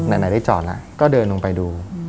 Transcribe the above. ไหนได้จอดแล้วก็เดินลงไปดู